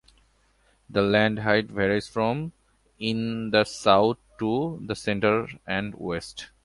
The land height varies from in the south to in the centre and west.